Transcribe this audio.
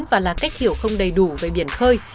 và là cách hiểu không đầy đủ về biển khơi